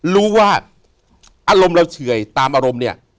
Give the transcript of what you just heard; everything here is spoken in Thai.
รู้ว่าอารมณ์เราเฉื่อยตามอารมณ์เนี่ย